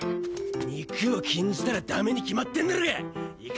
肉を禁じたらダメに決まってんだろが！